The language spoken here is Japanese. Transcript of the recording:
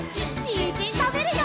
にんじんたべるよ！